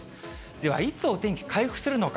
ではいつお天気回復するのか。